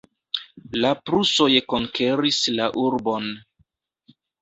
La prusoj konkeris la urbon.